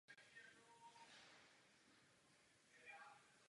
Bývalo metropolí Východního Pruska.